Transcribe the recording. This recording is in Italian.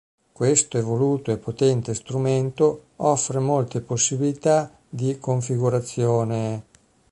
Questo evoluto e potente strumento offre molte possibilità di configurazione.